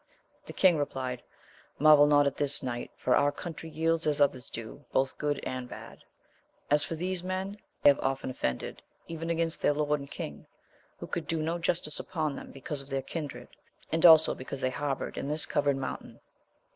The king replied, Marvel not at this, knight, for our country yields as others do, both good and bad : as for these men, they have often offended, even against their lord and king, who could do no justice upon them, because of their kindred, and also because they harboured in this covered mountain.